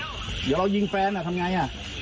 เดี๋ยวเรายิงแฟ้นทำอย่างไร